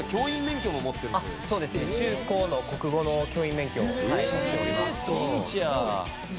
中・高の国語の教員免許をはい持っております。え！